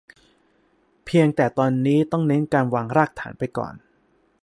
เพียงแต่ตอนนี้ต้องเน้นการวางรากฐานไปก่อน